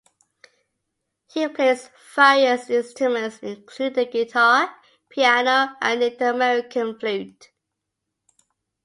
He plays various instruments, including the guitar, piano, and Native American flute.